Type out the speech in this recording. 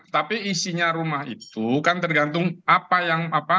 tapi isinya rumah itu kan tergantung apa yang apa